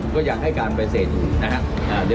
ก็อยากให้การไปเศษนะครับ